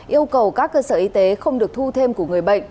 yêu cầu các cơ sở y tế không được thu thêm của người bệnh